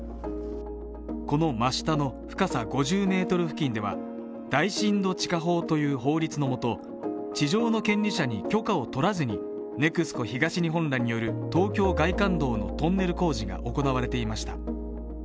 この真下の深さ５０ｍ付近では大深度地下法という法律のもと地上の権利者に許可を取らずにＮＥＸＣＯ東日本らによる東京外環道のトンネル工事が行われていました。